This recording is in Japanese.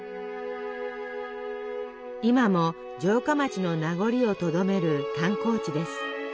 今も城下町の名残をとどめる観光地です。